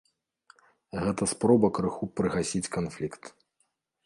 Гэта спроба крыху прыгасіць канфлікт.